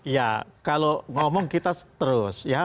ya kalau ngomong kita terus ya